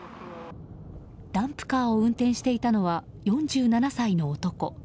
ダンプカーを運転していたのは４７歳の男。